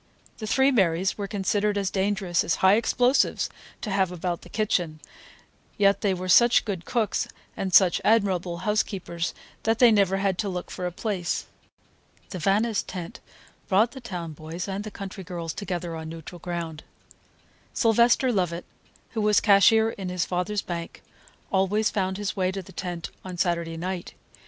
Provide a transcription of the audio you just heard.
The three Marys were considered as dangerous as high explosives to have about the kitchen, yet they were such good cooks and such admirable housekeepers that they never had to look for a place. The Vannis' tent brought the town boys and the country girls together on neutral ground. Sylvester Lovett, who was cashier in his father's bank, always found his way to the tent on Saturday night.